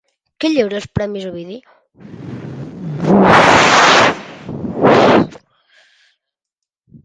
Qui lliura els Premis Ovidi?